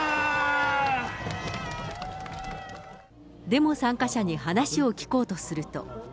デモ参加者に話を聞こうとすると。